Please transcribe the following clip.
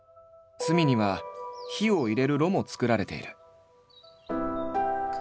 隅には火を入れる炉もつくられている。